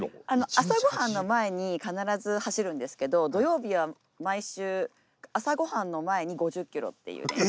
朝ご飯の前に必ず走るんですけど土曜日は毎週朝ご飯の前に５０ｋｍっていう練習があったりして。